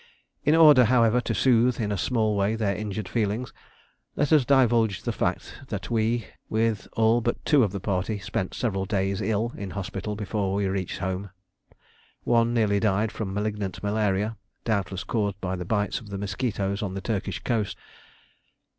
In order, however, to soothe in a small way their injured feelings, let us divulge the fact that we, with all but two of the party, spent several days ill in hospital before we reached home. One nearly died from malignant malaria, doubtless caused by the bites of the mosquitoes on the Turkish coast.